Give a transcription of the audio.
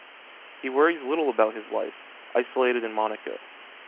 He worries little about his wife, isolated in Monaco.